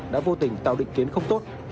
đã vô tình tạo định kiến không tốt